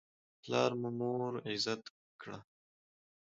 پلار مور عزت کړه.